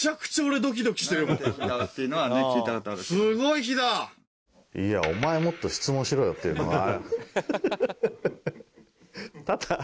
いや「お前もっと質問しろよ！」っていうのは。